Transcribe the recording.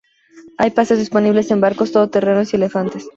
Hay paseos disponibles en barcos, todoterrenos y elefantes.